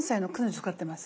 持ってます。